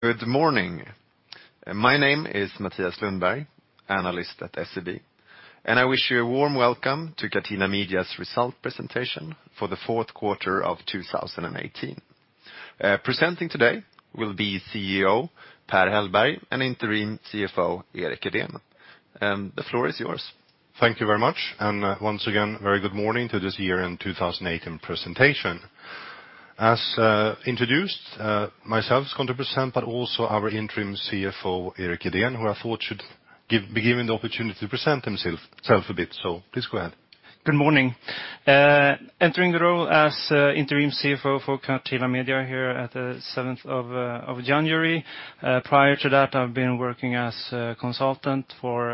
Good morning. My name is Mathias Lundberg, analyst at SEB, I wish you a warm welcome to Catena Media's Result Presentation for the Fourth Quarter of 2018. Presenting today will be CEO Per Hellberg and Interim CFO Erik Edeen. The floor is yours. Thank you very much. Once again, a very good morning to this Year-end 2018 Presentation. As introduced, myself is going to present, but also our Interim CFO, Erik Edeen, who I thought should be given the opportunity to present himself a bit. Please go ahead. Good morning. Entering the role as Interim CFO for Catena Media here at the 7th of January. Prior to that, I've been working as a consultant for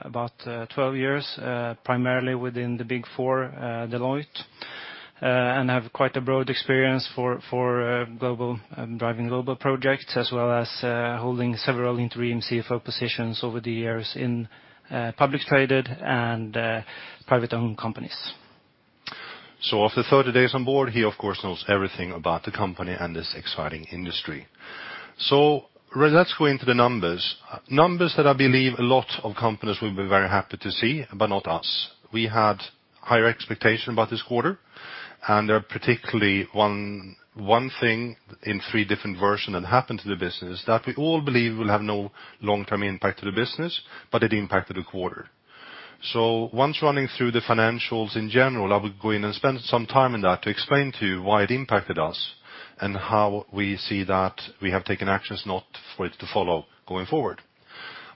about 12 years, primarily within the Big Four Deloitte, I have quite a broad experience for driving global projects as well as holding several Interim CFO positions over the years in public traded and private-owned companies. After 30 days on board, he of course knows everything about the company and this exciting industry. Let's go into the numbers. Numbers that I believe a lot of companies will be very happy to see, not us. We had higher expectations about this quarter, there are particularly one thing in three different versions that happened to the business that we all believe will have no long-term impact to the business, it impacted the quarter. Once running through the financials in general, I will go in and spend some time in that to explain to you why it impacted us and how we see that we have taken actions not for it to follow going forward.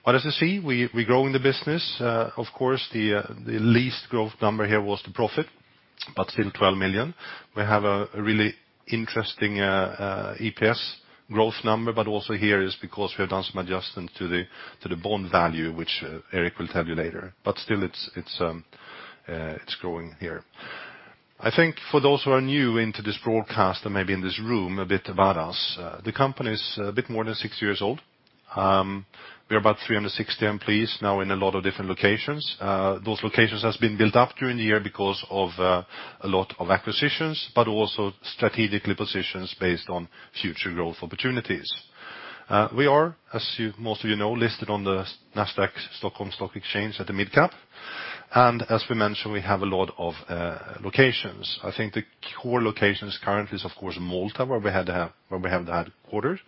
As you see, we're growing the business. Of course, the least growth number here was the profit, but still 12 million. We have a really interesting EPS growth number, but also here is because we have done some adjustments to the bond value, which Erik will tell you later. Still it's growing here. For those who are new into this broadcast and maybe in this room, a bit about us. The company is a bit more than six years old. We are about 360 employees now in a lot of different locations. Those locations have been built up during the year because of a lot of acquisitions, but also strategically positions based on future growth opportunities. We are, as most of you know, listed on the Nasdaq Stockholm Stock Exchange at the Mid Cap. As we mentioned, we have a lot of locations. I think the core locations currently is, of course, Malta, where we have the headquarters.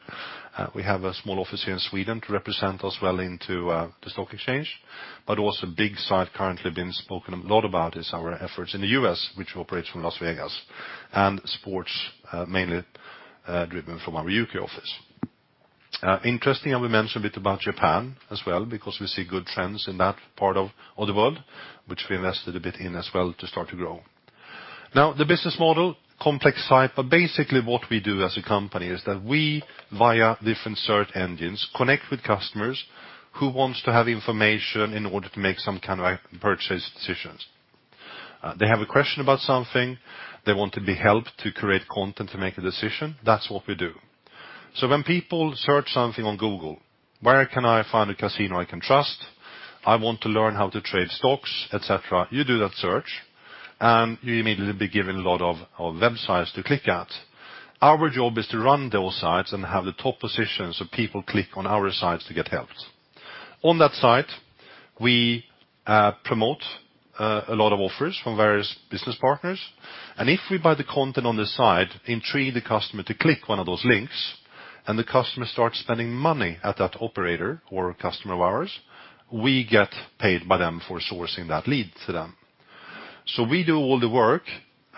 We have a small office here in Sweden to represent us well into the stock exchange. Also big site currently being spoken a lot about is our efforts in the U.S., which operates from Las Vegas, and sports, mainly driven from our U.K. office. Interesting, we mention a bit about Japan as well because we see good trends in that part of the world, which we invested a bit in as well to start to grow. The business model, complex site, basically what we do as a company is that we, via different search engines, connect with customers who want to have information in order to make some kind of purchase decisions. They have a question about something, they want to be helped to create content to make a decision. That's what we do. When people search something on Google, where can I find a casino I can trust? I want to learn how to trade stocks, et cetera. You do that search, and you immediately are given a lot of websites to click at. Our job is to run those sites and have the top position, so people click on our sites to get helped. On that site, we promote a lot of offers from various business partners, and if we, by the content on the site, intrigue the customer to click one of those links, and the customer starts spending money at that operator or a customer of ours, we get paid by them for sourcing that lead to them. We do all the work.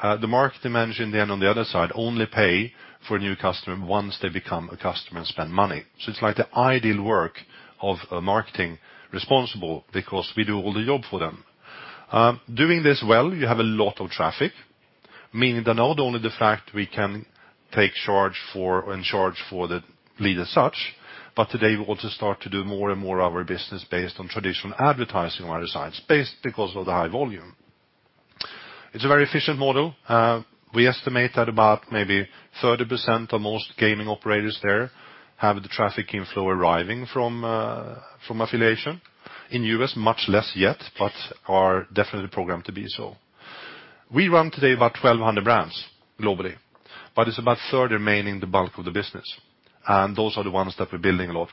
The marketing manager then on the other side, only pay for a new customer once they become a customer and spend money. It's like the ideal work of a marketing responsible because we do all the job for them. Doing this well, you have a lot of traffic, meaning that not only the fact we can take charge for and charge for the lead as such, but today we also start to do more and more of our business based on traditional advertising on our sites based because of the high volume. It's a very efficient model. We estimate that about maybe 30% of most gaming operators there have the traffic inflow arriving from affiliation. In U.S., much less yet, but are definitely programmed to be so. We run today about 1,200 brands globally, but it's about 30 remaining the bulk of the business, and those are the ones that we're building a lot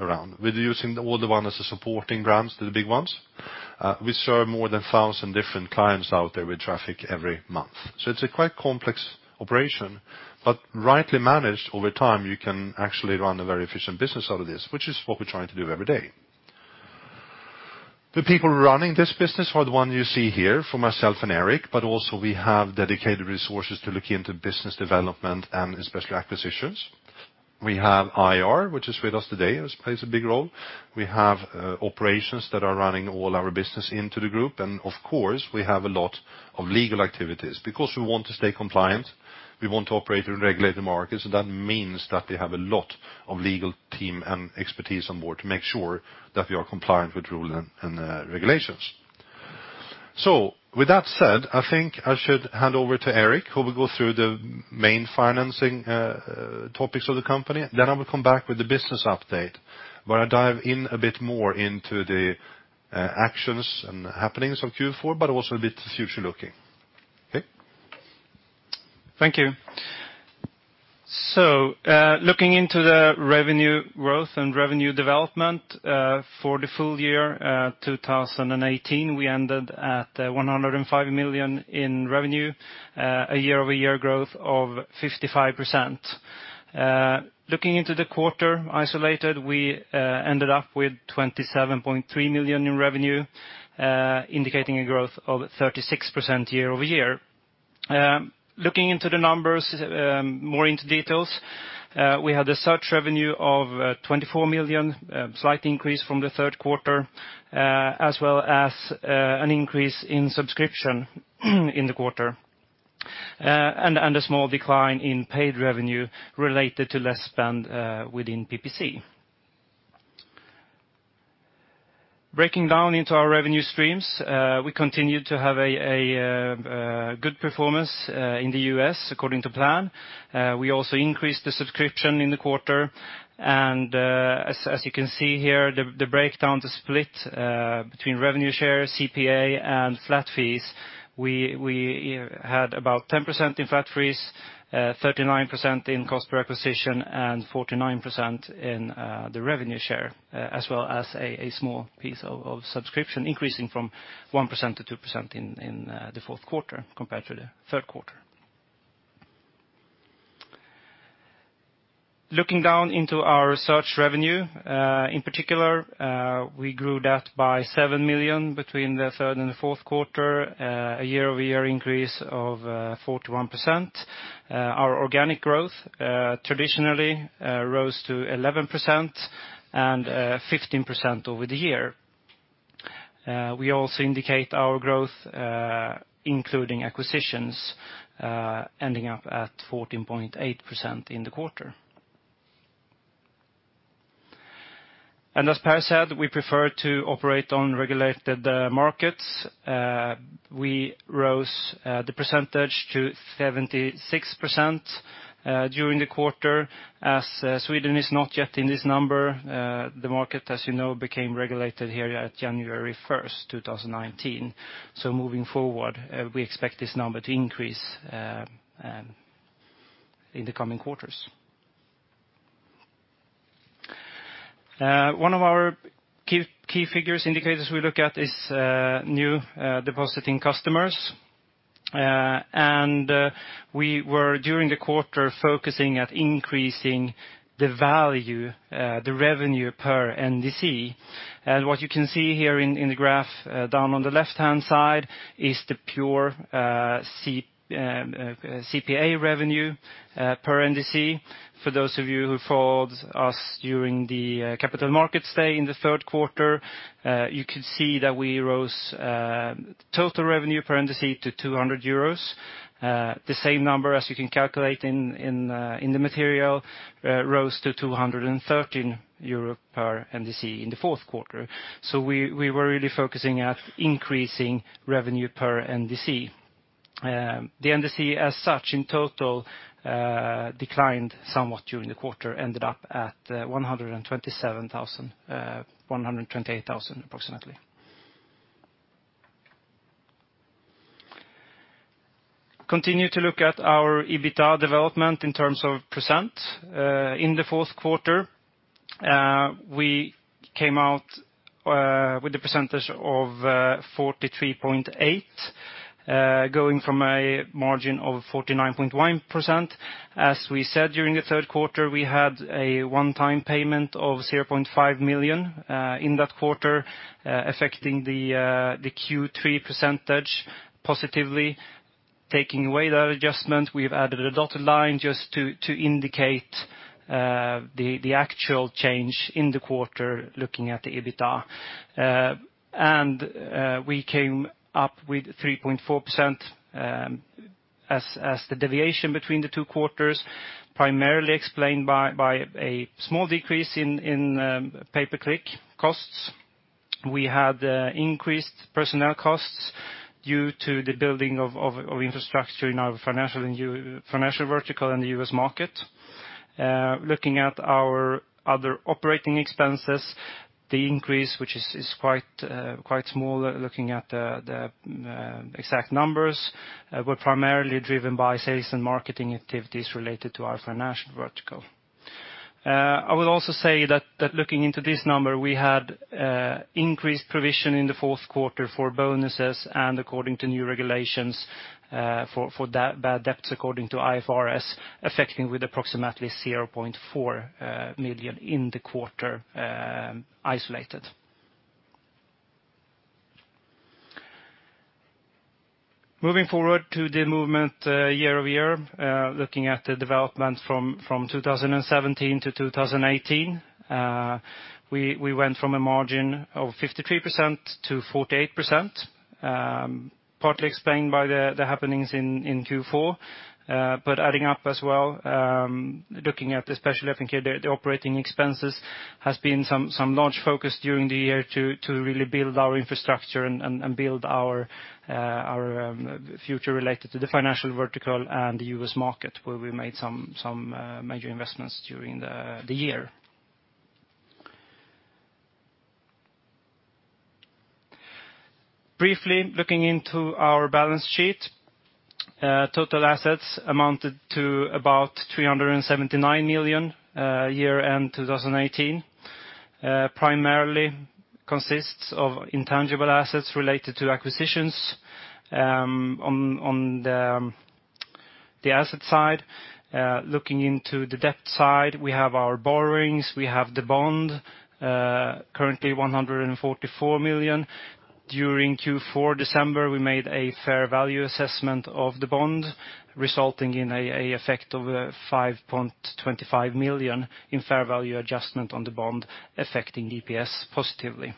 around. We're using all the ones as supporting brands to the big ones. We serve more than 1,000 different clients out there with traffic every month. It's a quite complex operation, but rightly managed over time, you can actually run a very efficient business out of this, which is what we're trying to do every day. The people running this business are the ones you see here for myself and Erik Edeen, also we have dedicated resources to look into business development and especially acquisitions. We have IR, which is with us today, plays a big role. We have operations that are running all our business into the group, of course, we have a lot of legal activities because we want to stay compliant, we want to operate in regulated markets, that means that they have a lot of legal team and expertise on board to make sure that we are compliant with rules and regulations. With that said, I think I should hand over to Erik Edeen, who will go through the main financing topics of the company. I will come back with the business update, where I dive in a bit more into the actions and happenings of Q4, also a bit future-looking. Okay? Thank you. Looking into the revenue growth and revenue development for the full year 2018, we ended at 105 million in revenue, a year-over-year growth of 55%. Looking into the quarter isolated, we ended up with 27.3 million in revenue, indicating a growth of 36% year-over-year. Looking into the numbers, more into details, we had a search revenue of 24 million, slight increase from the third quarter, as well as an increase in subscription in the quarter, a small decline in paid revenue related to less spend within PPC. Breaking down into our revenue streams, we continued to have a good performance in the U.S. according to plan. We also increased the subscription in the quarter. As you can see here, the breakdown, the split between Revenue Share, CPA, and flat fees, we had about 10% in flat fees, 39% in cost per acquisition, and 49% in the Revenue Share, as well as a small piece of subscription increasing from 1%-2% in the fourth quarter compared to the third quarter. Looking down into our search revenue, in particular, we grew that by 7 million between the third and the fourth quarter, a year-over-year increase of 41%. Our organic growth traditionally rose to 11% and 15% over the year. We also indicate our growth, including acquisitions, ending up at 14.8% in the quarter. As Per said, we prefer to operate on regulated markets. We rose the percentage to 76% during the quarter, as Sweden is not yet in this number. The market, as you know, became regulated here at January 1st, 2019. Moving forward, we expect this number to increase in the coming quarters. One of our key figures indicators we look at is new depositing customers. We were, during the quarter, focusing at increasing the value, the revenue per NDC. What you can see here in the graph down on the left-hand side is the pure CPA revenue per NDC. For those of you who followed us during the Capital Markets Day in the third quarter, you could see that we rose total revenue per NDC to 200 euros. The same number, as you can calculate in the material, rose to 213 euros per NDC in the fourth quarter. We were really focusing at increasing revenue per NDC. The NDC, as such, in total declined somewhat during the quarter, ended up at 128,000, approximately. Continue to look at our EBITDA development in terms of percent. In the fourth quarter, we came out with 43.8%, going from a margin of 49.1%. As we said during the third quarter, we had a one-time payment of 0.5 million in that quarter, affecting the Q3 percentage positively. Taking away that adjustment, we have added a dotted line just to indicate the actual change in the quarter looking at the EBITDA. We came up with 3.4% as the deviation between the two quarters, primarily explained by a small decrease in pay-per-click costs. We had increased personnel costs due to the building of infrastructure in our financial vertical in the U.S. market. Looking at our other operating expenses, the increase, which is quite small, looking at the exact numbers, were primarily driven by sales and marketing activities related to our financial vertical. I will also say that looking into this number, we had increased provision in the fourth quarter for bonuses, and according to new regulations for bad debts according to IFRS, affecting with approximately 0.4 million in the quarter isolated. Moving forward to the movement year-over-year, looking at the development from 2017 to 2018. We went from a margin of 53% to 48%, partly explained by the happenings in Q4. Adding up as well, looking at especially, I think, the operating expenses, has been some large focus during the year to really build our infrastructure and build our future related to the financial vertical and the U.S. market, where we made some major investments during the year. Briefly looking into our balance sheet, total assets amounted to about 379 million year-end 2018. Primarily consists of intangible assets related to acquisitions on the asset side. Looking into the debt side, we have our borrowings, we have the bond, currently 144 million. During Q4, December, we made a fair value assessment of the bond, resulting in an effect of 5.25 million in fair value adjustment on the bond affecting EPS positively.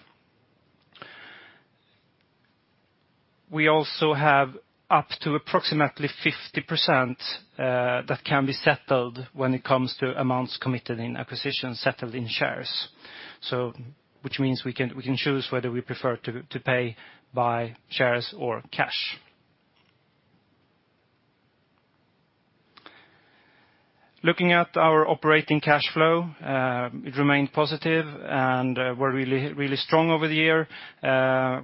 We also have up to approximately 50% that can be settled when it comes to amounts committed in acquisitions settled in shares, which means we can choose whether we prefer to pay by shares or cash. Looking at our operating cash flow, it remained positive, and we're really strong over the year.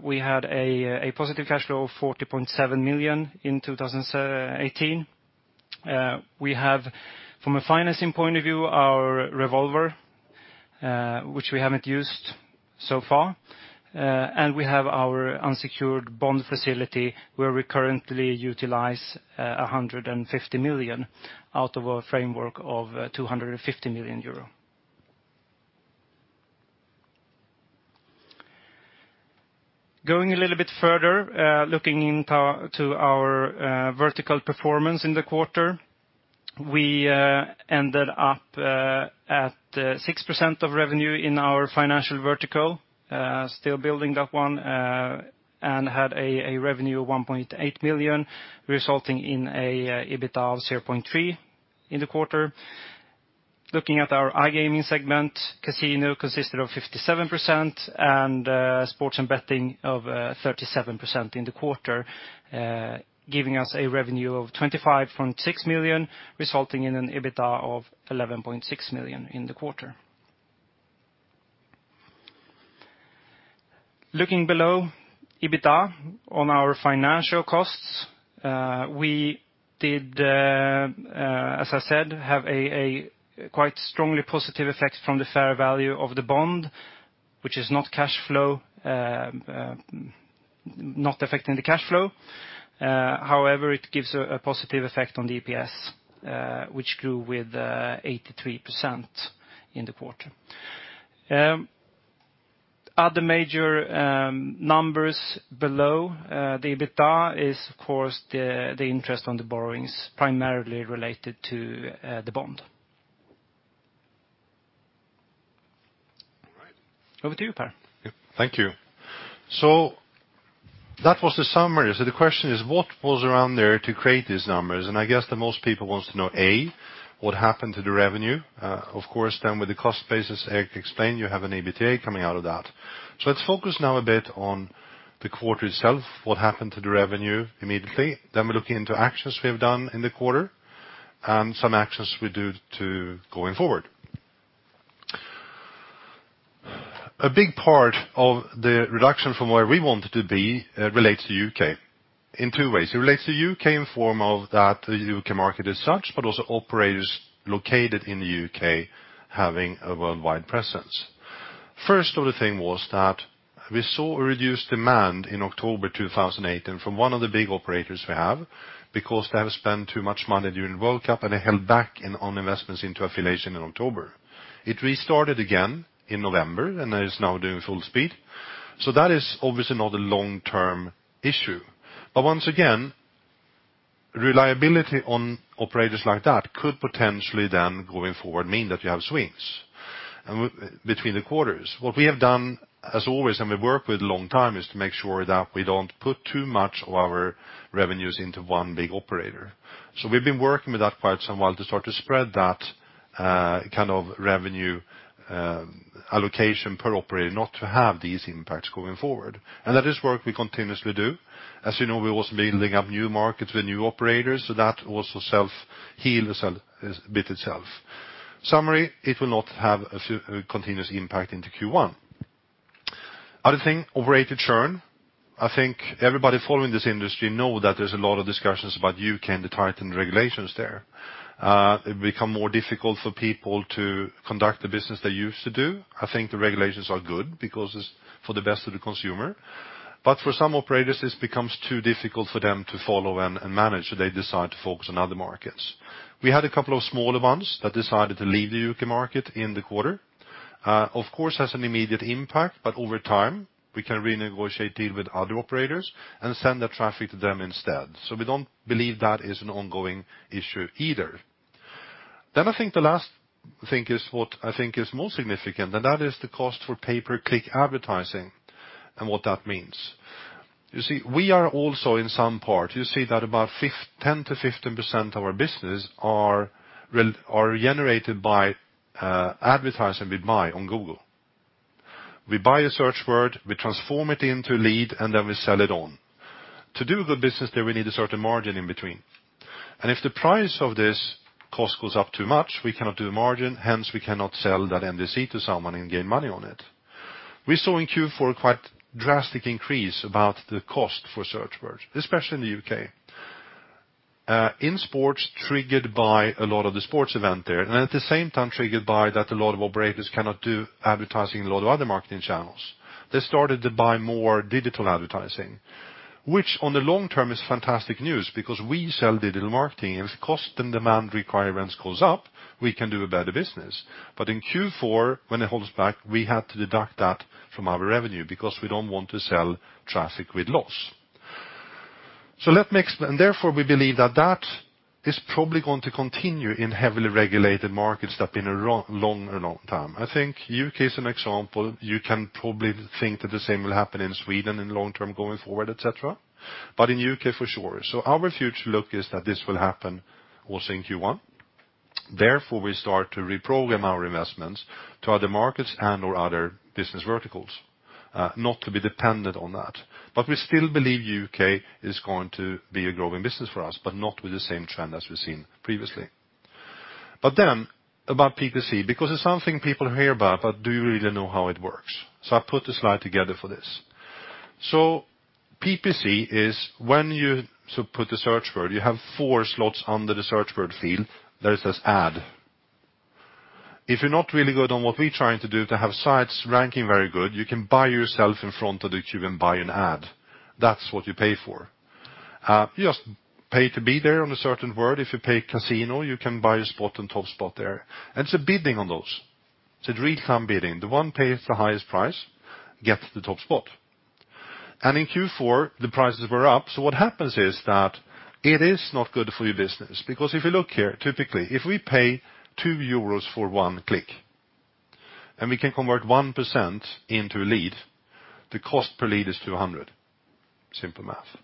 We had a positive cash flow of 40.7 million in 2018. We have, from a financing point of view, our revolver, which we haven't used so far, and we have our unsecured bond facility, where we currently utilize 150 million out of a framework of 250 million euro. Going a little bit further, looking into our vertical performance in the quarter, we ended up at 6% of revenue in our financial vertical, still building that one, and had a revenue of 1.8 million, resulting in an EBITDA of 0.3 million in the quarter. Looking at our iGaming segment, casino consisted of 57% and sports and betting of 37% in the quarter, giving us a revenue of 25.6 million, resulting in an EBITDA of 11.6 million in the quarter. Looking below EBITDA on our financial costs, we did, as I said, have a quite strongly positive effect from the fair value of the bond, which is not affecting the cash flow. However, it gives a positive effect on the EPS, which grew with 83% in the quarter. Other major numbers below the EBITDA is, of course, the interest on the borrowings, primarily related to the bond. Over to you, Per. Thank you. That was the summary. The question is, what was around there to create these numbers? I guess that most people want to know, A, what happened to the revenue? Of course, with the cost basis, Erik explained you have an EBITDA coming out of that. Let's focus now a bit on the quarter itself, what happened to the revenue immediately, we look into actions we have done in the quarter, some actions we do going forward. A big part of the reduction from where we wanted to be relates to U.K. in two ways. It relates to U.K. in form of that U.K. market as such, but also operators located in the U.K. having a worldwide presence. First of the thing was that we saw a reduced demand in October 2018, from one of the big operators we have, because they have spent too much money during the World Cup, they held back on investments into affiliation in October. It restarted again in November, it is now doing full speed. That is obviously not a long-term issue. Once again, reliability on operators like that could potentially going forward, mean that you have swings between the quarters. What we have done, as always, we work with long time, is to make sure that we don't put too much of our revenues into one big operator. We've been working with that quite some while to start to spread that kind of revenue allocation per operator, not to have these impacts going forward. That is work we continuously do. As you know, we're also building up new markets with new operators, that also heals a bit itself. Summary, it will not have a continuous impact into Q1. Other thing, operator churn. I think everybody following this industry know that there's a lot of discussions about U.K. and the tightened regulations there. It become more difficult for people to conduct the business they used to do. I think the regulations are good because it's for the best of the consumer. For some operators, this becomes too difficult for them to follow and manage, they decide to focus on other markets. We had a couple of smaller ones that decided to leave the U.K. market in the quarter. Of course, it has an immediate impact, over time, we can renegotiate deal with other operators and send the traffic to them instead. We don't believe that is an ongoing issue either. I think the last thing is what I think is most significant, and that is the cost for pay-per-click advertising and what that means. We are also in some part, about 10%-15% of our business are generated by advertising we buy on Google. We buy a search word, we transform it into lead, and then we sell it on. To do the business there, we need a certain margin in between. If the price of this cost goes up too much, we cannot do the margin, hence we cannot sell that NDC to someone and gain money on it. We saw in Q4 a quite drastic increase about the cost for search words, especially in the U.K., in sports, triggered by a lot of the sports event there, and at the same time triggered by that a lot of operators cannot do advertising in a lot of other marketing channels. They started to buy more digital advertising, which on the long term is fantastic news because we sell digital marketing. If cost and demand requirements goes up, we can do a better business. In Q4, when it holds back, we had to deduct that from our revenue because we don't want to sell traffic with loss. Let me explain. Therefore, we believe that that is probably going to continue in heavily regulated markets that been a long, long time. I think U.K. is an example. You can probably think that the same will happen in Sweden in the long term going forward, et cetera. In U.K. for sure. Our future look is that this will happen also in Q1. Therefore, we start to reprogram our investments to other markets and/or other business verticals, not to be dependent on that. We still believe U.K. is going to be a growing business for us, but not with the same trend as we've seen previously. About PPC, because it's something people hear about, but do you really know how it works? I put this slide together for this. PPC is when you put the search word, you have four slots under the search word field that says Ad. If you're not really good on what we trying to do to have sites ranking very good, you can buy yourself in front of the queue and buy an ad. That's what you pay for. You just pay to be there on a certain word. If you pay casino, you can buy a spot on top spot there. It's a bidding on those. It's a real-time bidding. The one pays the highest price gets the top spot. In Q4, the prices were up. What happens is that it is not good for your business, because if you look here, typically, if we pay 2 euros for one click, and we can convert 1% into lead, the cost per lead is 200. Simple math.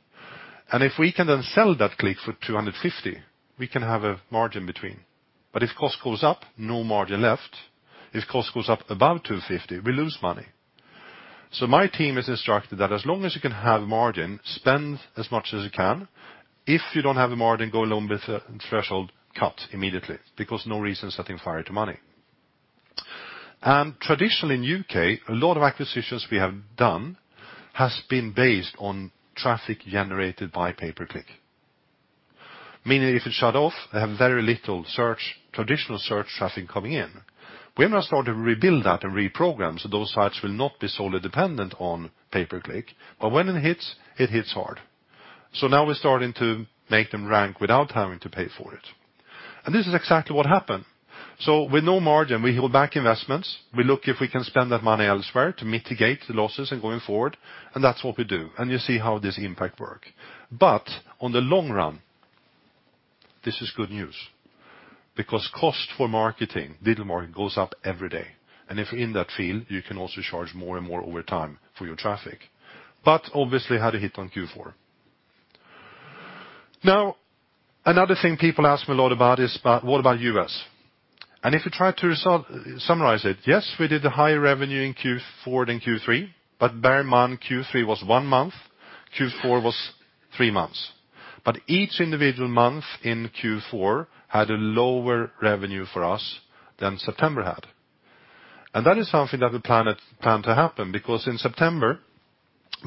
If we can then sell that click for 250, we can have a margin between. If cost goes up, no margin left. If cost goes up above 250, we lose money. My team is instructed that as long as you can have margin, spend as much as you can. If you don't have the margin, go along with the threshold, cut immediately because no reason setting fire to money. Traditionally in U.K., a lot of acquisitions we have done has been based on traffic generated by pay per click. Meaning if it shut off, they have very little traditional search traffic coming in. We must start to rebuild that and reprogram so those sites will not be solely dependent on pay per click. When it hits, it hits hard. Now we're starting to make them rank without having to pay for it. This is exactly what happened. With no margin, we hold back investments. We look if we can spend that money elsewhere to mitigate the losses and going forward. That's what we do, and you see how this impact work. On the long run, this is good news, because cost for marketing, digital marketing goes up every day. If in that field, you can also charge more and more over time for your traffic. Obviously had a hit on Q4. Another thing people ask me a lot about is, "What about U.S.?" If you try to summarize it, yes, we did a higher revenue in Q4 than Q3, but bear in mind, Q3 was one month, Q4 was three months. Each individual month in Q4 had a lower revenue for us than September had. That is something that we planned to happen, because in September,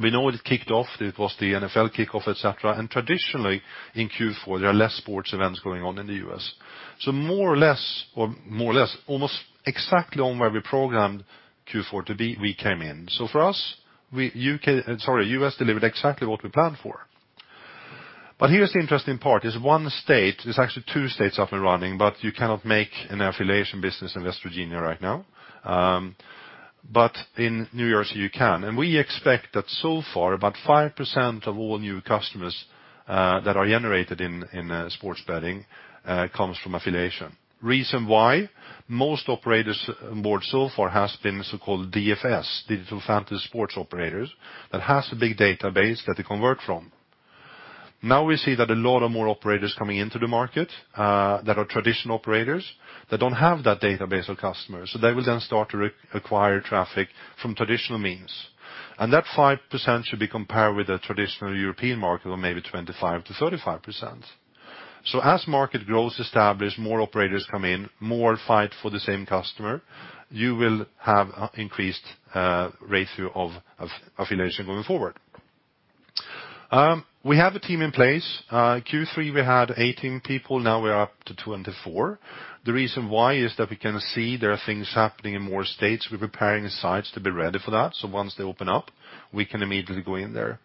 we know it kicked off. It was the NFL kickoff, et cetera. Traditionally in Q4, there are less sports events going on in the U.S. More or less, almost exactly on where we programmed Q4 to be, we came in. For us, U.S. delivered exactly what we planned for. Here's the interesting part, is one state, there's actually two states up and running, but you cannot make an affiliation business in West Virginia right now. In New York, you can. We expect that so far, about 5% of all new customers that are generated in sports betting comes from affiliation. Reason why most operators on board so far has been the so-called DFS, digital fantasy sports operators, that has a big database that they convert from. We see that a lot of more operators coming into the market that are traditional operators that don't have that database of customers. They will then start to acquire traffic from traditional means. That 5% should be compared with a traditional European market of maybe 25%-35%. As market grows, established, more operators come in, more fight for the same customer, you will have increased ratio of affiliation going forward. We have a team in place. Q3, we had 18 people. We're up to 24. The reason why is that we can see there are things happening in more states. We're preparing the sites to be ready for that. Once they open up, we can immediately go in there.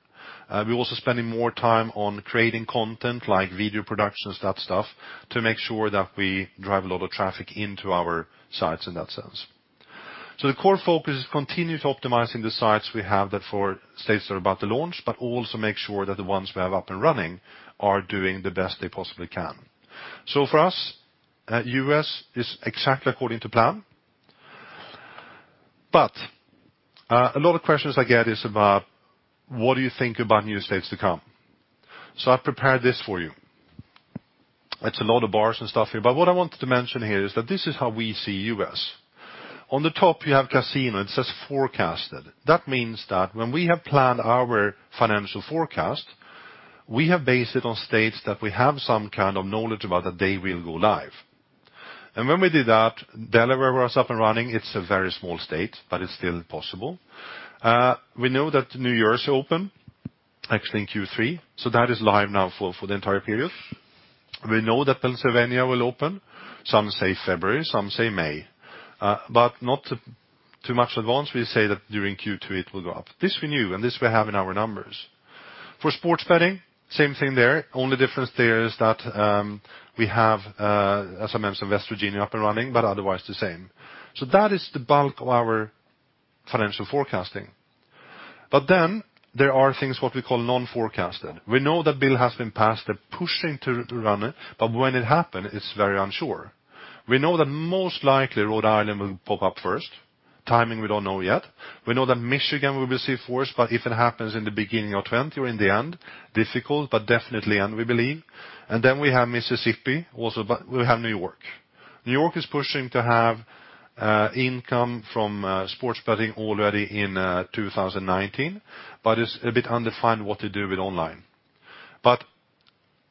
We're also spending more time on creating content like video productions, that stuff, to make sure that we drive a lot of traffic into our sites in that sense. The core focus is continue to optimizing the sites we have that four states are about to launch, but also make sure that the ones we have up and running are doing the best they possibly can. For us, U.S. is exactly according to plan. A lot of questions I get is about, what do you think about new states to come? I prepared this for you. It's a lot of bars and stuff here, but what I wanted to mention here is that this is how we see U.S. On the top, you have casino. It says forecasted. That means that when we have planned our financial forecast, we have based it on states that we have some kind of knowledge about the day we'll go live. When we did that, Delaware was up and running. It's a very small state, but it's still possible. We know that New York is open, actually in Q3. That is live now for the entire period. We know that Pennsylvania will open. Some say February, some say May, but not too much advance. We say that during Q2, it will go up. This we knew, and this we have in our numbers. For sports betting, same thing there. Only difference there is that we have SMS in West Virginia up and running, but otherwise the same. That is the bulk of our financial forecasting. There are things, what we call non-forecasted. We know the bill has been passed. They're pushing to run it, but when it happens, it's very unsure. We know that most likely Rhode Island will pop up first. Timing, we don't know yet. We know that Michigan will be fourth, but if it happens in the beginning of 2020 or in the end, difficult, but definitely, and we believe. We have Mississippi also, but we have New York. New York is pushing to have income from sports betting already in 2019, but it's a bit undefined what to do with online.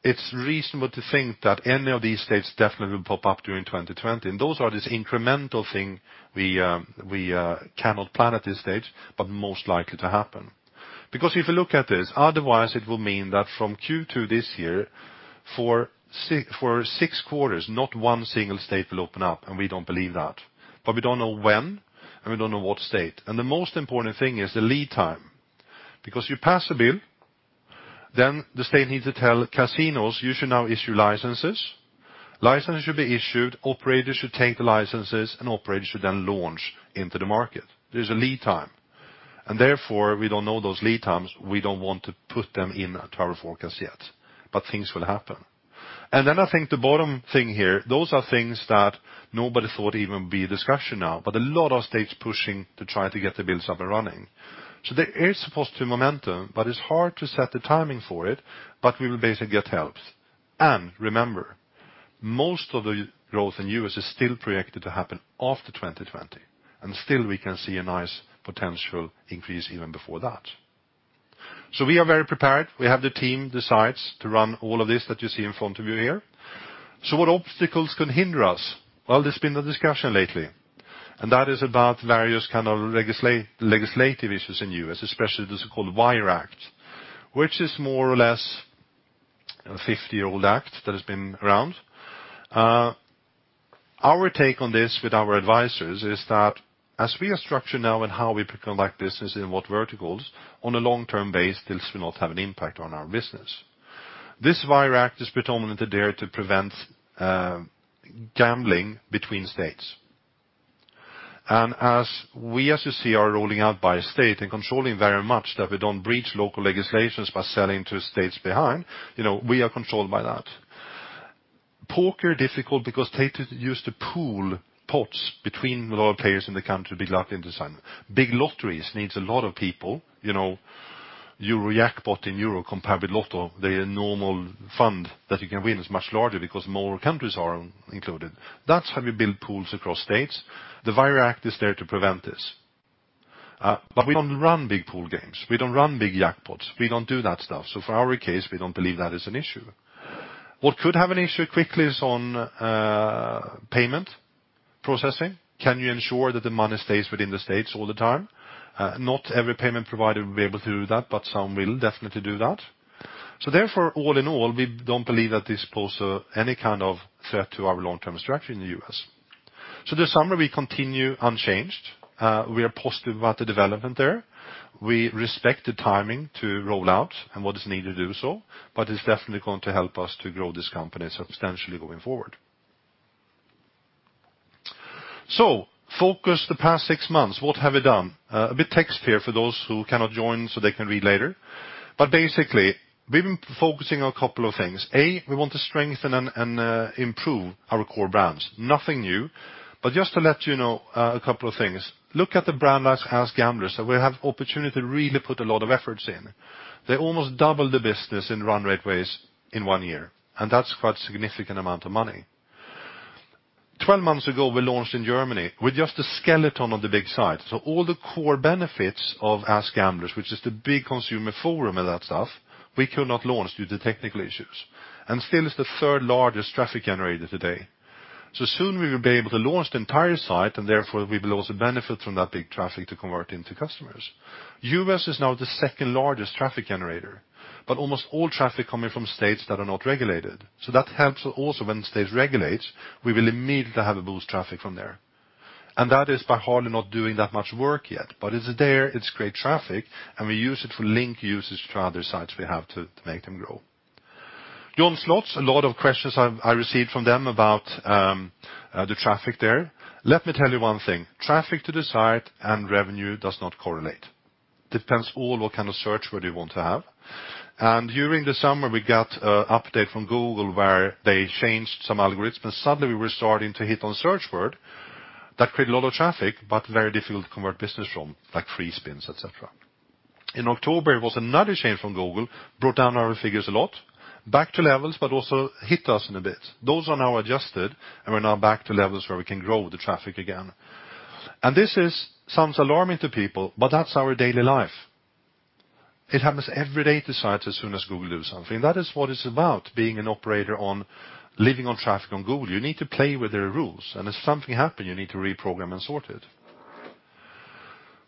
It's reasonable to think that any of these states definitely will pop up during 2020, and those are this incremental thing we cannot plan at this stage, but most likely to happen. If you look at this, otherwise it will mean that from Q2 this year, for six quarters, not one single state will open up, and we don't believe that. We don't know when, and we don't know what state. The most important thing is the lead time, because you pass a bill. Then the state needs to tell casinos, "You should now issue licenses." Licenses should be issued. Operators should take the licenses, and operators should then launch into the market. There's a lead time, and therefore, we don't know those lead times. We don't want to put them in our forecast yet, but things will happen. I think the bottom thing here, those are things that nobody thought even be a discussion now, but a lot of states pushing to try to get the bills up and running. There is positive momentum, but it's hard to set the timing for it, we will basically get helped. Remember, most of the growth in U.S. is still projected to happen after 2020, still we can see a nice potential increase even before that. We are very prepared. We have the team, the sites to run all of this that you see in front of you here. What obstacles can hinder us? There's been a discussion lately, that is about various kind of legislative issues in U.S., especially this called Wire Act, which is more or less a 50-year-old act that has been around. Our take on this with our advisors is that as we are structured now and how we conduct business in what verticals on a long-term base, this will not have an impact on our business. This Wire Act is predominantly there to prevent gambling between states. As we, as you see, are rolling out by state and controlling very much that we don't breach local legislations by selling to states behind, we are controlled by that. Poker, difficult because they used to pool pots between a lot of players in the country, big lottery and design. Big lotteries needs a lot of people. Your jackpot in EUR compared with lotto, the normal fund that you can win is much larger because more countries are included. That's how you build pools across states. The Wire Act is there to prevent this. We don't run big pool games. We don't run big jackpots. We don't do that stuff. For our case, we don't believe that is an issue. What could have an issue quickly is on payment processing. Can you ensure that the money stays within the states all the time? Not every payment provider will be able to do that, some will definitely do that. All in all, we don't believe that this poses any kind of threat to our long-term strategy in the U.S. This summer, we continue unchanged. We are positive about the development there. We respect the timing to roll out and what is needed to do so, it's definitely going to help us to grow this company substantially going forward. Focus the past six months, what have we done? A bit text here for those who cannot join so they can read later. Basically, we've been focusing on a couple of things. A, we want to strengthen and improve our core brands. Nothing new, just to let you know a couple of things. Look at the brand AskGamblers. We have opportunity to really put a lot of efforts in. They almost double the business in run rate base in one year, that's quite significant amount of money. Twelve months ago, we launched in Germany with just a skeleton of the big site. All the core benefits of AskGamblers, which is the big consumer forum and that stuff, we could not launch due to technical issues. Still it's the third largest traffic generator today. Soon we will be able to launch the entire site and therefore we will also benefit from that big traffic to convert into customers. U.S. is now the second largest traffic generator, almost all traffic coming from states that are not regulated. That helps also when states regulate, we will immediately have a boost traffic from there. That is by hardly not doing that much work yet. It's there, it's great traffic, and we use it for link users to other sites we have to make them grow. JohnSlots, a lot of questions I received from them about the traffic there. Let me tell you one thing, traffic to the site and revenue does not correlate. Depends all what kind of search word you want to have. During the summer, we got update from Google where they changed some algorithms. Suddenly, we were starting to hit on search word that create a lot of traffic, but very difficult to convert business from, like free spins, et cetera. In October, it was another change from Google, brought down our figures a lot, back to levels, but also hit us in a bit. Those are now adjusted, we're now back to levels where we can grow the traffic again. This sounds alarming to people, but that's our daily life. It happens every day to sites as soon as Google does something. That is what it's about, being an operator living on traffic on Google. You need to play with their rules. If something happen, you need to reprogram and sort it.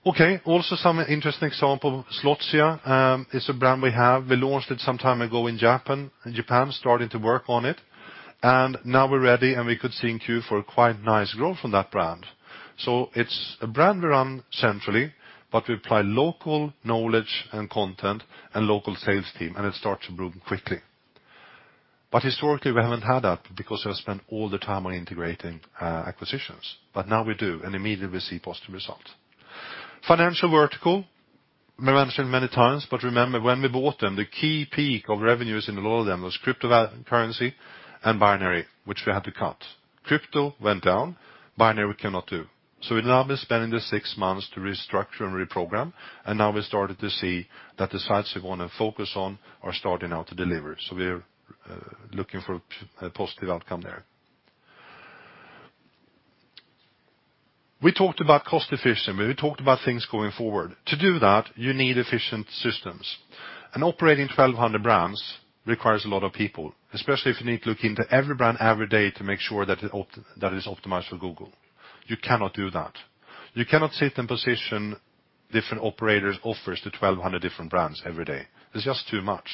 Okay, also some interesting example. Slotsia, it's a brand we have. We launched it some time ago in Japan, starting to work on it. Now we're ready, and we could see in queue for a quite nice growth from that brand. It's a brand we run centrally, but we apply local knowledge and content and local sales team, and it starts to boom quickly. Historically, we haven't had that because we have spent all the time on integrating acquisitions. Now we do, and immediately we see positive results. Financial vertical, we mentioned many times, but remember when we bought them, the key peak of revenues in all of them was cryptocurrency and binary, which we had to cut. Crypto went down, binary we cannot do. We've now been spending the six months to restructure and reprogram, and now we started to see that the sites we want to focus on are starting now to deliver. We are looking for a positive outcome there. We talked about cost efficiency. We talked about things going forward. To do that, you need efficient systems. Operating 1,200 brands requires a lot of people, especially if you need to look into every brand every day to make sure that it is optimized for Google. You cannot do that. You cannot sit and position different operators' offers to 1,200 different brands every day. It's just too much.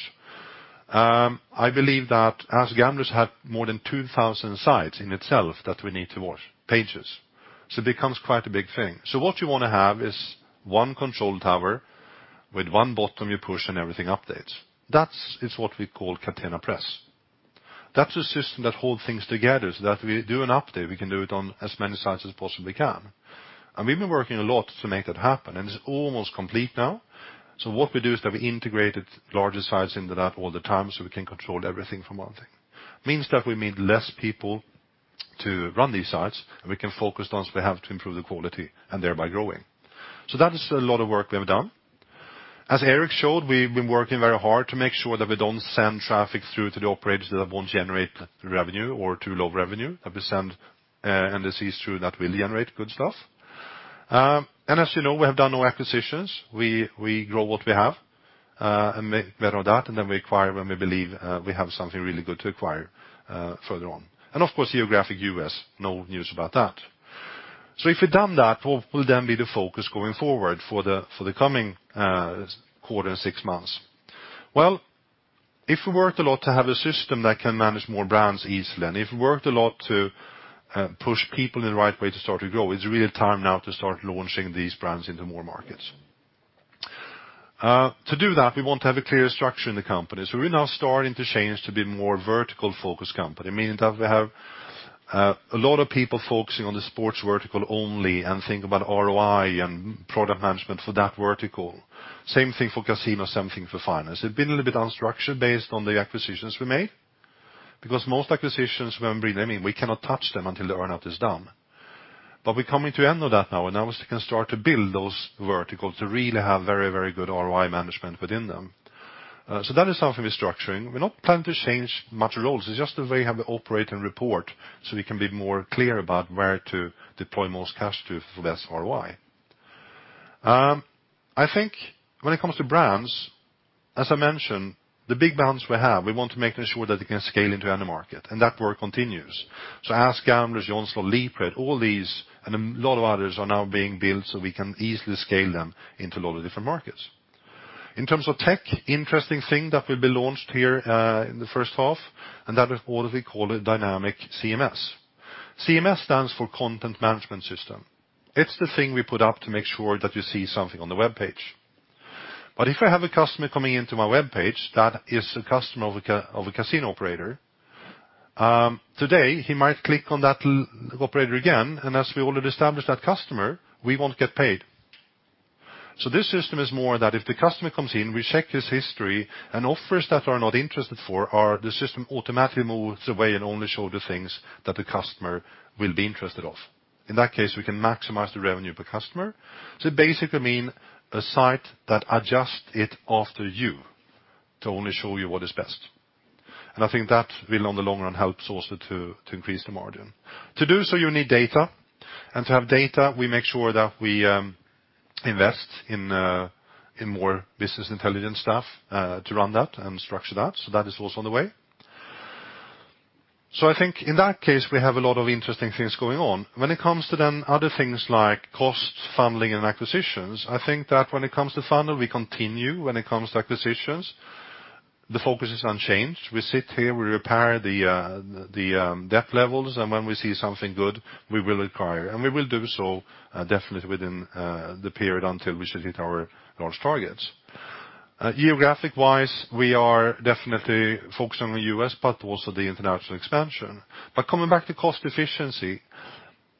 I believe that AskGamblers have more than 2,000 sites in itself that we need to watch, pages, it becomes quite a big thing. What you want to have is one control tower with one button you push and everything updates. That is what we call Catena Press. That's a system that holds things together so that we do an update, we can do it on as many sites as possibly can. We've been working a lot to make that happen, and it's almost complete now. What we do is that we integrated larger sites into that all the time so we can control everything from one thing. Means that we need less people to run these sites, and we can focus on what we have to improve the quality and thereby growing. That is a lot of work we have done. As Erik showed, we've been working very hard to make sure that we don't send traffic through to the operators that won't generate revenue or too low revenue, that we send indices through that will generate good stuff. As you know, we have done no acquisitions. We grow what we have and make better that, and then we acquire when we believe we have something really good to acquire further on. Of course, geographic U.S., no news about that. If we've done that, what will then be the focus going forward for the coming quarter and six months? If we worked a lot to have a system that can manage more brands easily, and if we worked a lot to push people in the right way to start to grow, it's really time now to start launching these brands into more markets. To do that, we want to have a clear structure in the company. We're now starting to change to be more vertical-focused company, meaning that we have a lot of people focusing on the sports vertical only and think about ROI and product management for that vertical. Same thing for casino, same thing for finance. It's been a little bit unstructured based on the acquisitions we made, because most acquisitions when we bring them in, we cannot touch them until the earn-out is done. We're coming to end of that now, and now we can start to build those verticals to really have very good ROI management within them. That is something we're structuring. We're not planning to change much roles. It's just the way we operate and report so we can be more clear about where to deploy most cash to for best ROI. I think when it comes to brands, as I mentioned, the big brands we have, we want to make sure that they can scale into any market, and that work continues. AskGamblers, JohnSlots, LeapRate, all these and a lot of others are now being built so we can easily scale them into a lot of different markets. In terms of tech, interesting thing that will be launched here in the first half, and that is what we call a dynamic CMS. CMS stands for content management system. It's the thing we put up to make sure that you see something on the webpage. If I have a customer coming into my webpage that is a customer of a casino operator, today, he might click on that operator again, and as we already established that customer, we won't get paid. This system is more that if the customer comes in, we check his history, and offers that are not interested for, the system automatically moves away and only show the things that the customer will be interested of. In that case, we can maximize the revenue per customer. It basically mean a site that adjusts it after you to only show you what is best. I think that will, in the long run, helps also to increase the margin. To do so, you need data. To have data, we make sure that we invest in more business intelligence stuff to run that and structure that. That is also on the way. I think in that case, we have a lot of interesting things going on. When it comes to then other things like cost, funneling, and acquisitions, I think that when it comes to funnel, we continue. When it comes to acquisitions, the focus is unchanged. We sit here, we repair the debt levels, and when we see something good, we will acquire. We will do so definitely within the period until we should hit our large targets. Geographic-wise, we are definitely focused on the U.S., but also the international expansion. Coming back to cost efficiency,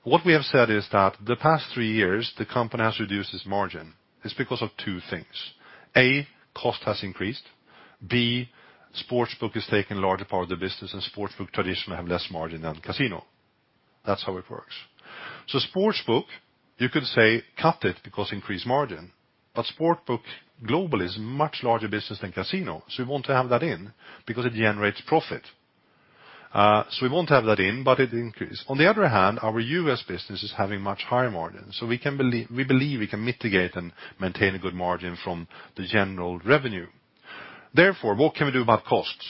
what we have said is that the past three years, the company has reduced its margin. It is because of two things. A, cost has increased. B, sportsbook has taken a larger part of the business, and sportsbook traditionally have less margin than casino. That's how it works. Sportsbook, you could say cut it because increase margin, but Sportsbook global is a much larger business than casino, we want to have that in because it generates profit. We won't have that in, but it increased. On the other hand, our U.S. business is having much higher margins, we believe we can mitigate and maintain a good margin from the general revenue. What can we do about costs?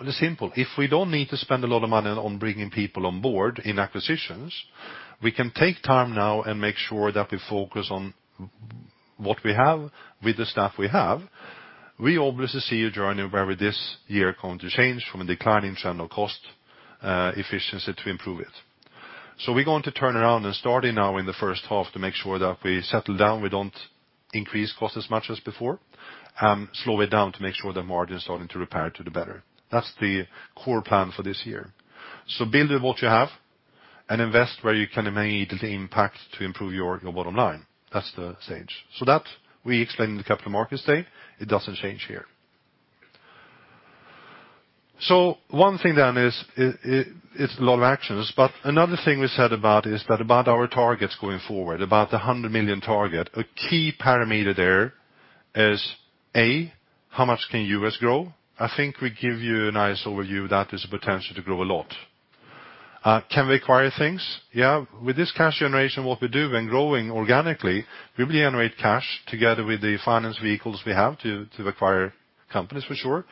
It is simple. If we don't need to spend a lot of money on bringing people on board in acquisitions, we can take time now and make sure that we focus on what we have with the staff we have. We obviously see a journey where this year is going to change from a decline in general cost efficiency to improve it. We're going to turn around and starting now in the first half to make sure that we settle down, we don't increase costs as much as before, slow it down to make sure the margin is starting to repair to the better. That's the core plan for this year. Build with what you have and invest where you can have immediate impact to improve your bottom line. That's the stage. That, we explained in the Capital Markets Day, it doesn't change here. One thing then is it's a lot of actions, but another thing we said about is that about our targets going forward, about the 100 million target, a key parameter there is, A, how much can U.S. grow? I think we give you a nice overview that there's a potential to grow a lot. Can we acquire things? Yeah. With this cash generation, what we do when growing organically, we will generate cash together with the finance vehicles we have to acquire companies for sure.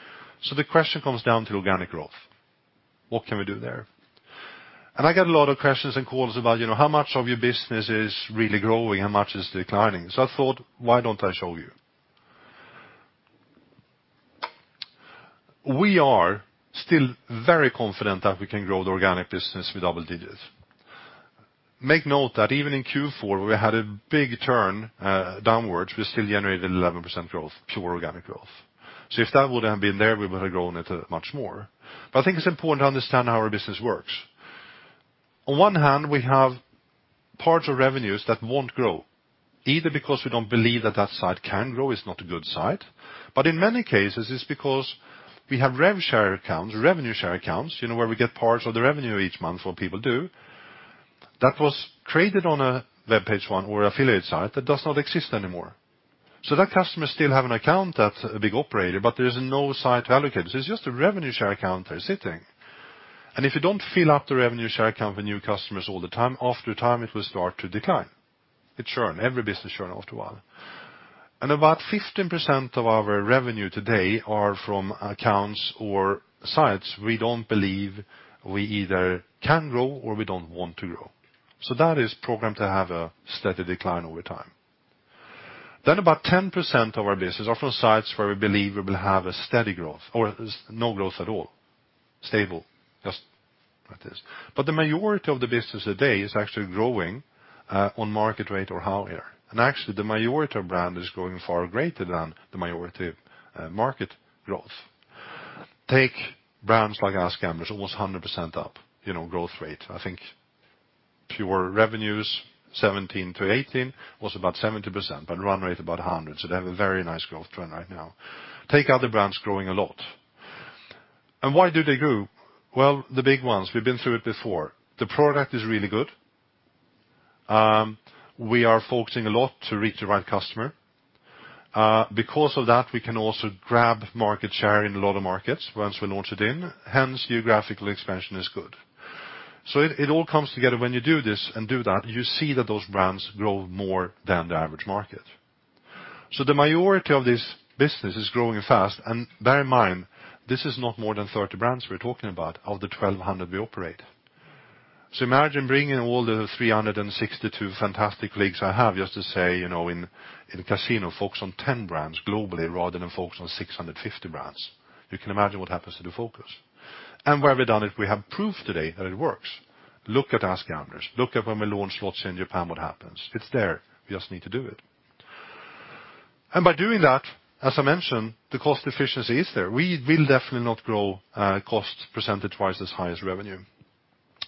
The question comes down to organic growth. What can we do there? I get a lot of questions and calls about how much of your business is really growing? How much is declining? I thought, why don't I show you? We are still very confident that we can grow the organic business with double digits. Make note that even in Q4, where we had a big turn downwards, we still generated 11% growth, pure organic growth. If that wouldn't have been there, we would have grown it much more. I think it's important to understand how our business works. On one hand, we have parts of revenues that won't grow, either because we don't believe that that site can grow, it's not a good site. In many cases, it's because we have rev share accounts, Revenue Share accounts, where we get parts of the revenue each month what people do, that was created on a webpage one or affiliate site that does not exist anymore. That customer still have an account at a big operator, but there's no site allocated. It's just a Revenue Share account there sitting. If you don't fill up the Revenue Share account with new customers all the time, after time, it will start to decline. It churn. Every business churn after a while. About 15% of our revenue today are from accounts or sites we don't believe we either can grow or we don't want to grow. That is programmed to have a steady decline over time. About 10% of our business are from sites where we believe we will have a steady growth or no growth at all. Stable. Just like this. The majority of the business today is actually growing, on market rate or higher. Actually, the majority of brand is growing far greater than the majority of market growth. Take brands like AskGamblers, almost 100% up, growth rate. I think pure revenues 2017 to 2018 was about 70%, but run rate about 100%. They have a very nice growth trend right now. Take other brands growing a lot. Why do they grow? Well, the big ones, we've been through it before. The product is really good. We are focusing a lot to reach the right customer. Because of that, we can also grab market share in a lot of markets once we're launched in, hence geographical expansion is good. It all comes together. When you do this and do that, you see that those brands grow more than the average market. The majority of this business is growing fast, and bear in mind, this is not more than 30 brands we're talking about of the 1,200 we operate. Imagine bringing all the 362 fantastic leagues I have, just to say, in casino, focus on 10 brands globally rather than focus on 650 brands. You can imagine what happens to the focus. Where we done it, we have proof today that it works. Look at AskGamblers. Look at when we launched slots in Japan, what happens. It's there. We just need to do it. By doing that, as I mentioned, the cost efficiency is there. We will definitely not grow cost percentage twice as high as revenue.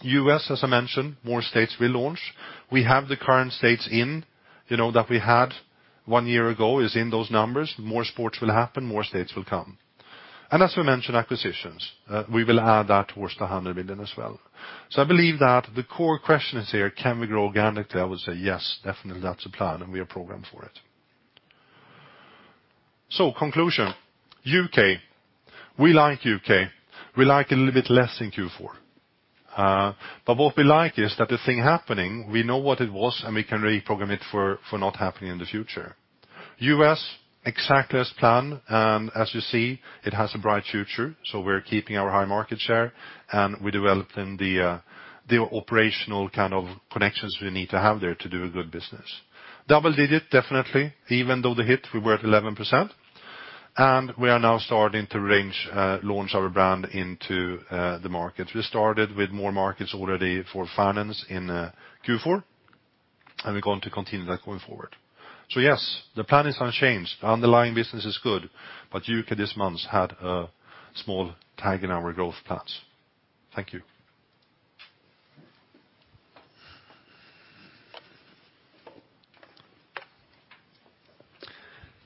U.S., as I mentioned, more states we launch. We have the current states in, that we had one year ago is in those numbers. More sports will happen, more states will come. As we mentioned, acquisitions. We will add that towards the 100 million as well. I believe that the core question is here, can we grow organically? I would say yes, definitely that's the plan, and we are programmed for it. Conclusion. U.K. We like U.K. We like a little bit less in Q4. What we like is that the thing happening, we know what it was, and we can reprogram it for not happening in the future. U.S., exactly as planned. As you see, it has a bright future, so we're keeping our high market share, and we're developing the operational kind of connections we need to have there to do a good business. Double-digit, definitely. Even though the hit, we were at 11%. We are now starting to launch our brand into the market. We started with more markets already for finance in Q4, and we're going to continue that going forward. Yes, the plan is unchanged. The underlying business is good, but U.K. this month had a small tag in our growth plans. Thank you.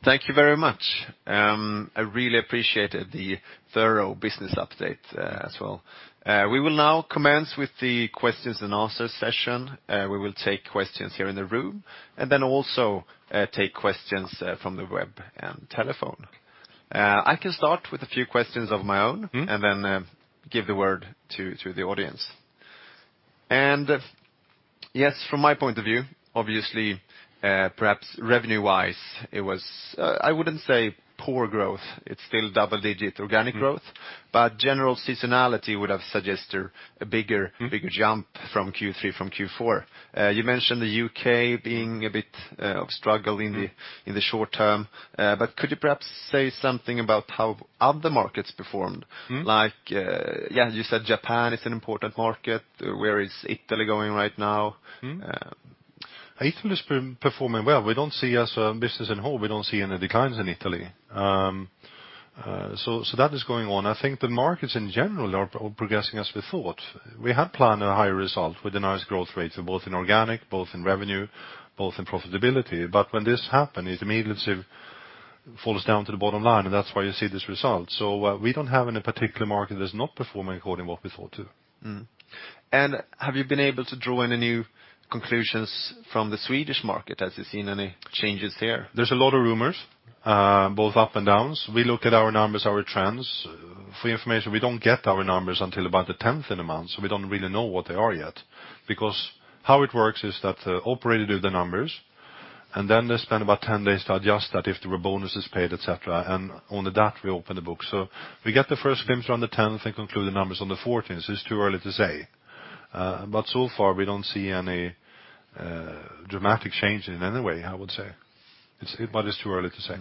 Thank you very much. I really appreciated the thorough business update as well. We will now commence with the questions and answer session. We will take questions here in the room and then also take questions from the web and telephone. I can start with a few questions of my own. Then give the word to the audience. Yes, from my point of view, obviously, perhaps revenue-wise, it was, I wouldn't say poor growth, it's still double-digit organic growth. General seasonality would have suggested a bigger jump from Q3 from Q4. You mentioned the U.K. being a bit of struggle in the short term. Could you perhaps say something about how other markets performed? Like, you said Japan is an important market. Where is Italy going right now? Italy is performing well. We don't see as a business on the whole, we don't see any declines in Italy. That is going on. I think the markets in general are progressing as we thought. We had planned a higher result with the nice growth rates, both in organic, both in revenue, both in profitability. When this happened, it immediately falls down to the bottom line. That's why you see this result. We don't have any particular market that's not performing according to what we thought, too. Have you been able to draw any new conclusions from the Swedish market? Have you seen any changes there? There's a lot of rumors, both up and downs. We look at our numbers, our trends. For your information, we don't get our numbers until about the 10th in a month, we don't really know what they are yet. How it works is that the operator do the numbers, and then they spend about 10 days to adjust that if there were bonuses paid, et cetera. On the dot, we open the book. We get the first glimpse around the 10th and conclude the numbers on the 14th, it's too early to say. So far, we don't see any dramatic change in any way, I would say. It's too early to say.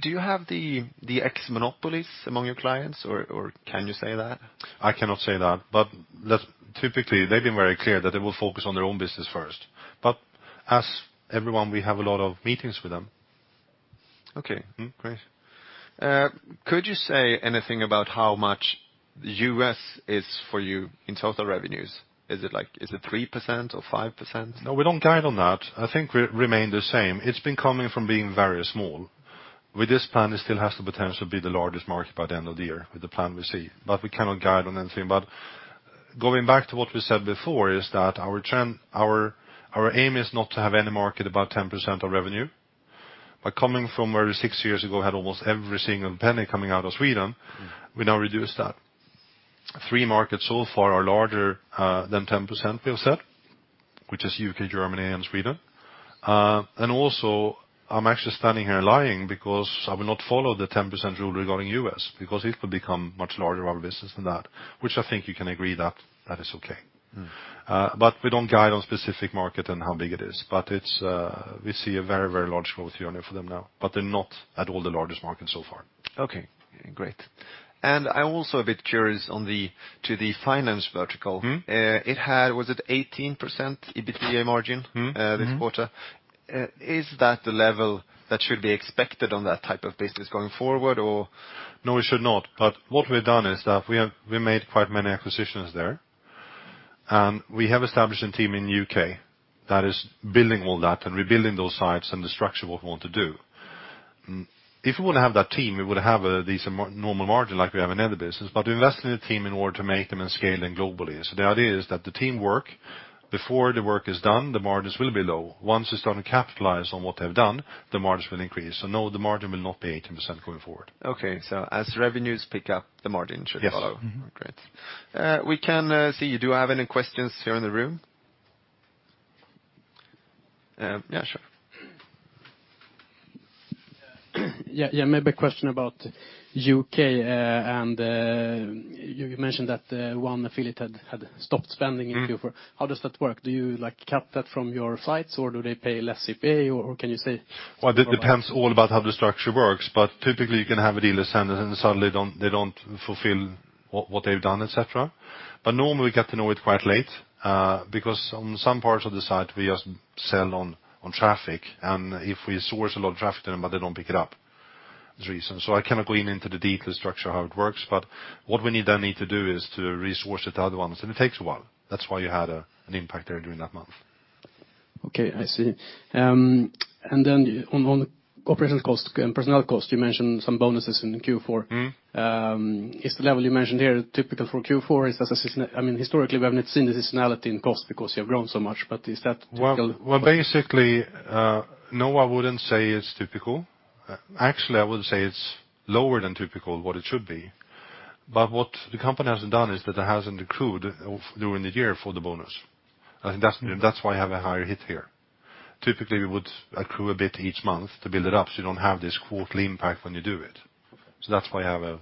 Do you have the ex monopolies among your clients, or can you say that? I cannot say that, typically, they've been very clear that they will focus on their own business first. As everyone, we have a lot of meetings with them. Great. Could you say anything about how much U.S. is for you in total revenues? Is it 3% or 5%? No, we don't guide on that. I think we remain the same. It's been coming from being very small. With this plan, it still has the potential to be the largest market by the end of the year with the plan we see, but we cannot guide on anything. Going back to what we said before is that our aim is not to have any market above 10% of revenue. Coming from where we six years ago had almost every single penny coming out of Sweden, we now reduce that. Three markets so far are larger than 10%, Per said, which is U.K., Germany, and Sweden. Also, I'm actually standing here lying because I will not follow the 10% rule regarding U.S., because it will become much larger of a business than that, which I think you can agree that is okay. We don't guide on specific market and how big it is. We see a very, very large growth area for them now, but they're not at all the largest market so far. Okay, great. I'm also a bit curious to the finance vertical. Was it 18% EBITDA margin this quarter? Is that the level that should be expected on that type of business going forward or? No, it should not. What we've done is that we made quite many acquisitions there. We have established a team in U.K. that is building all that and rebuilding those sites and the structure of what we want to do. If we wouldn't have that team, we would have a decent normal margin like we have in the other business, but we invest in a team in order to make them and scale them globally. The idea is that the team work, before the work is done, the margins will be low. Once they start to capitalize on what they've done, the margins will increase. No, the margin will not be 18% going forward. Okay. As revenues pick up, the margin should follow. Yes. Great. We can see, do I have any questions here in the room? Yeah, sure. Yeah. Maybe a question about U.K. You mentioned that one affiliate had stopped spending in Q4. How does that work? Do you cap that from your sites, or do they pay less CPA, or can you say? Well, it depends all about how the structure works, but typically, you can have a dealer signed and suddenly they don't fulfill what they've done, et cetera. Normally, we get to know it quite late, because on some parts of the site, we just sell on traffic. If we source a lot of traffic to them, but they don't pick it up, there's reason. I cannot go into the detail structure how it works, but what we need then need to do is to resource it to other ones, and it takes a while. That's why you had an impact there during that month. Okay, I see. Then on operational cost and personnel cost, you mentioned some bonuses in Q4. Is the level you mentioned here typical for Q4? I mean, historically, we haven't seen the seasonality in cost because you have grown so much, but is that typical? Well, basically, no, I wouldn't say it's typical. Actually, I would say it's lower than typical what it should be. What the company hasn't done is that it hasn't accrued during the year for the bonus. That's why you have a higher hit here. Typically, we would accrue a bit each month to build it up, so you don't have this quarterly impact when you do it. That's why you have a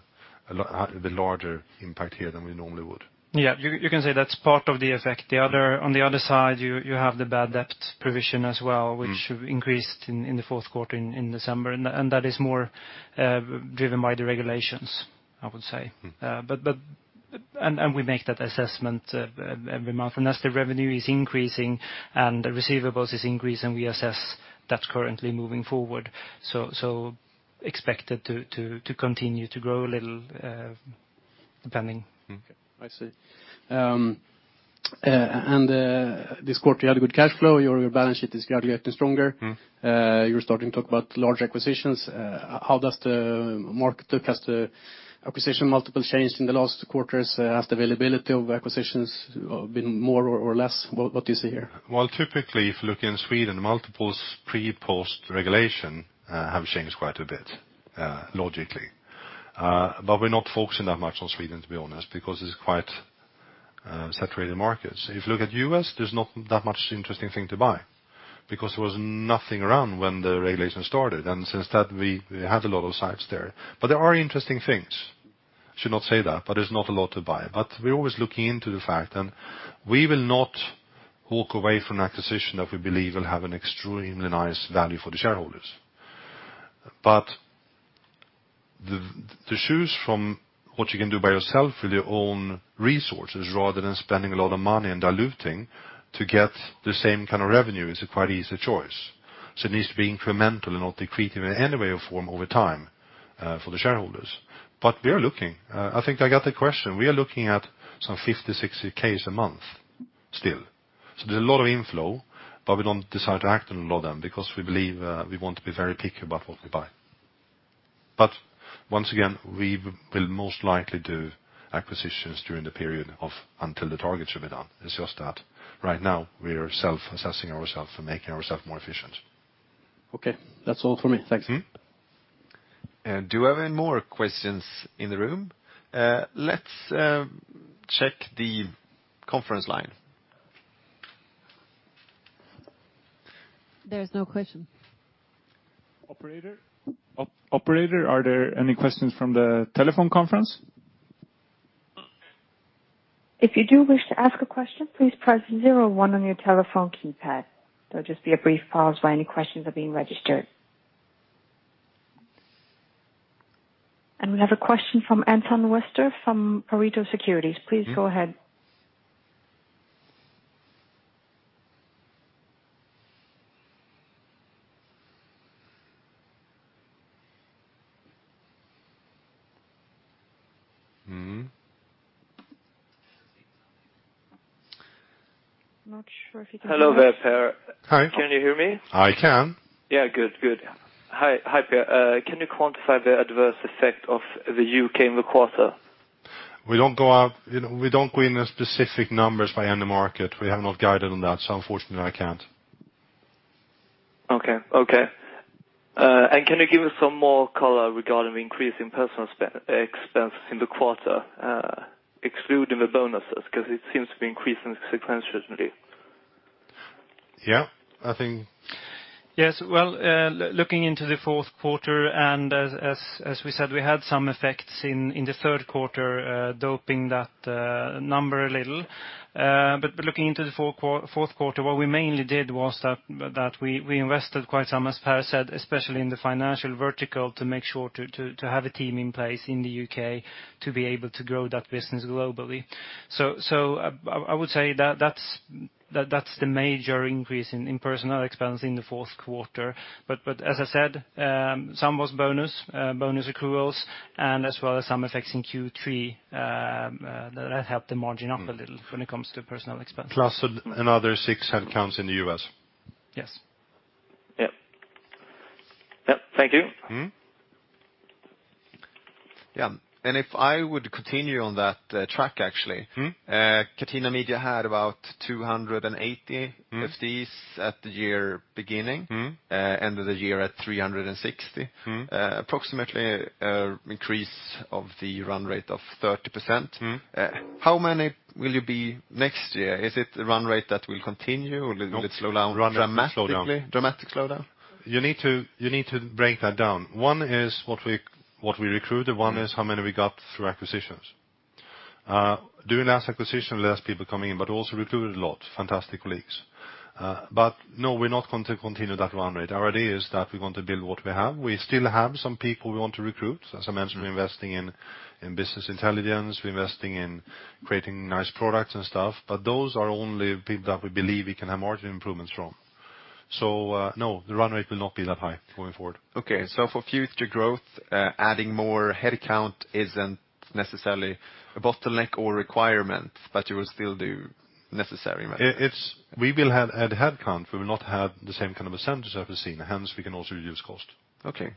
bit larger impact here than we normally would. Yeah, you can say that's part of the effect. On the other side, you have the bad debt provision as well, which increased in the fourth quarter in December, and that is more driven by the regulations, I would say. We make that assessment every month. As the revenue is increasing and the receivables is increasing, we assess that currently moving forward. Expected to continue to grow depending. Okay, I see. This quarter you had a good cash flow, your balance sheet is gradually getting stronger. You're starting to talk about large acquisitions. How has the acquisition multiple changed in the last quarters? Has the availability of acquisitions been more or less? What do you see here? Well, typically, if you look in Sweden, multiples pre-, post-regulation have changed quite a bit, logically. We're not focusing that much on Sweden, to be honest, because it's quite separated markets. If you look at U.S., there's not that much interesting thing to buy, because there was nothing around when the regulation started, and since that, we had a lot of sites there. There are interesting things. Should not say that, there's not a lot to buy. We're always looking into the fact, and we will not walk away from an acquisition that we believe will have an extremely nice value for the shareholders. To choose from what you can do by yourself with your own resources, rather than spending a lot of money and diluting to get the same kind of revenue is a quite easy choice. It needs to be incremental and not decreasing in any way or form over time for the shareholders. We are looking. I think I got the question. We are looking at some 50, 60 cases a month still. There's a lot of inflow, we don't decide to act on a lot of them because we believe we want to be very picky about what we buy. Once again, we will most likely do acquisitions during the period of until the targets will be done. It's just that right now we are self-assessing ourselves for making ourselves more efficient. Okay. That's all for me. Thanks. Do we have any more questions in the room? Let's check the conference line. There is no question. Operator, are there any questions from the telephone conference? If you do wish to ask a question, please press 01 on your telephone keypad. There'll just be a brief pause while any questions are being registered. We have a question from Anton Wester from Pareto Securities. Please go ahead. Hello there, Per. Hi. Can you hear me? I can. Yeah. Good. Hi, Per. Can you quantify the adverse effect of the U.K. in the quarter? We don't go in the specific numbers by any market. We have not guided on that, unfortunately I can't. Okay. Can you give us some more color regarding the increase in personal expenses in the quarter, excluding the bonuses? It seems to be increasing sequentially. Yes. Well, looking into the fourth quarter, as we said, we had some effects in the third quarter doping that number a little. Looking into the fourth quarter, what we mainly did was that we invested quite some, as Per said, especially in the financial vertical, to make sure to have a team in place in the U.K. to be able to grow that business globally. I would say that's the major increase in personal expense in the fourth quarter. As I said, some was bonus accruals, as well as some effects in Q3. That helped the margin up a little when it comes to personal expense. Plus another six headcounts in the U.S. Yes. Yep. Thank you. If I would continue on that track, actually. Catena Media had about 280 FTEs at the year beginning, end of the year at 360. Approximately increase of the run rate of 30%. How many will you be next year? Is it the run rate that will continue, or will it slow down dramatically? No. Run rate will slow down. Dramatic slowdown? You need to break that down. One is what we recruited, one is how many we got through acquisitions. Doing less acquisition, less people coming in, also recruited a lot, fantastic colleagues. No, we're not going to continue that run rate. Our idea is that we want to build what we have. We still have some people we want to recruit. As I mentioned, we're investing in business intelligence, we're investing in creating nice products and stuff, but those are only people that we believe we can have margin improvements from. No, the run rate will not be that high going forward. Okay. For future growth, adding more headcount isn't necessarily a bottleneck or requirement, but you will still do necessary manpower. We will add headcount, we will not have the same kind of a center as I've seen. Hence, we can also reduce cost. Okay.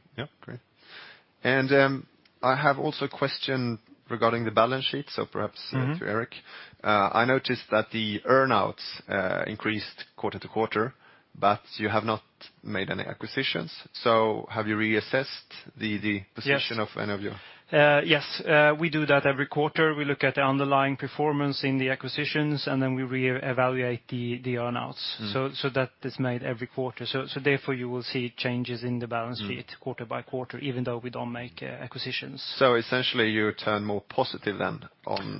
I have also a question regarding the balance sheet, perhaps to Erik. I noticed that the earn-outs increased quarter-to-quarter, but you have not made any acquisitions, so have you reassessed the position of any of your Yes. We do that every quarter. We look at the underlying performance in the acquisitions, we reevaluate the earn-outs. That is made every quarter. Therefore you will see changes in the balance sheet quarter-by-quarter, even though we don't make acquisitions. Essentially you turn more positive then.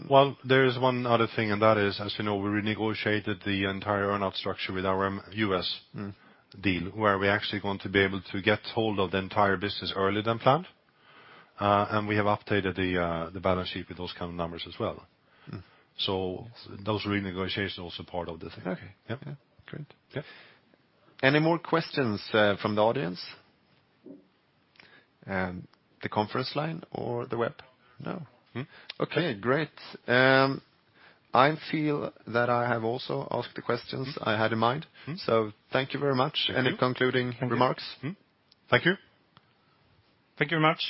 Well, there is one other thing, and that is, as you know, we renegotiated the entire earn-out structure with our U.S. deal, where we're actually going to be able to get hold of the entire business earlier than planned. We have updated the balance sheet with those kind of numbers as well. Those renegotiations are also part of the thing Any more questions from the audience? The conference line or the web? No. Okay, great. I feel that I have also asked the questions I had in mind. Thank you very much. Any concluding remarks? Thank you. Thank you very much.